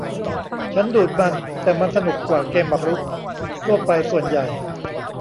ฉันดูดมัน แต่มันสนุกกว่าเกมหมากรุกทั่วไปส่วนใหญ่